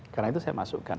karena itu saya masukkan